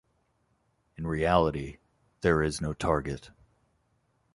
In reality, there is no target.